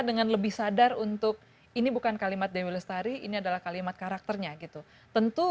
dengan lebih sadar untuk ini bukan kalimat dewi lestari ini adalah kalimat karakternya gitu tentu